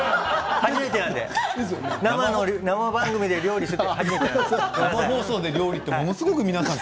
初めてなので生番組で料理するのが初めてなので。